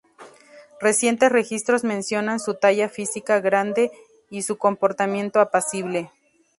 Recientes registros mencionan su talla física grande y su comportamiento apacible.